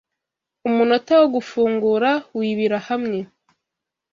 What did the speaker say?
Umunota wo gufungura wibira hamwe